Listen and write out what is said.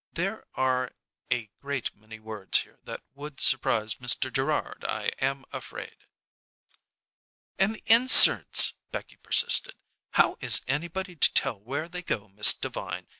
"There are a great many words here that would surprise Mr. Gerrard, I am afraid." "And the inserts," Becky persisted. "How is anybody to tell where they go, Miss Devine?